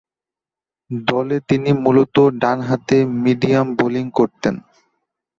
দলে তিনি মূলতঃ ডানহাতে মিডিয়াম বোলিং করতেন।